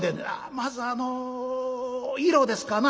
「まずあの色ですかな」。